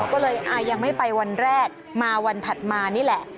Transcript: ก็เลยยังไม่ไปวันแรกมาวันถัดมานี่แหละ